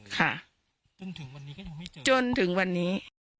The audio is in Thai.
ค่ะจนถึงวันนี้